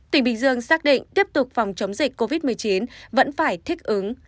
tỉnh bình dương xác định tiếp tục phòng chống dịch covid một mươi chín vẫn phải thích ứng